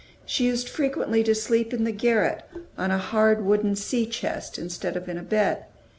She used frequently to sleep in the garret on a hard wooden sea chest instead of in a bed.